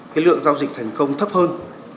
cái lượng giao dịch thành công thấp hơn